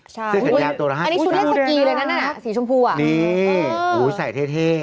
ใช่อันนี้ชุดเล่นสกีเลยนะนั่นอ่ะสีชมพูอ่ะนี่ใส่เท่